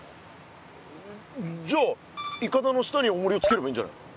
じゃあいかだの下におもりをつければいいんじゃないの。